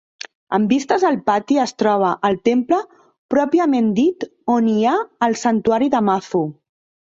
Amb vistes al pati es troba el temple pròpiament dit on hi ha el santuari de Mazu.